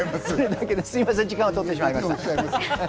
すみません時間を取ってしまいました。